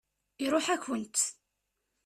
Iṛuḥ-akent.